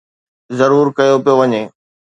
ضرور ڪيو پيو وڃي